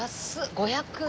「５００円」。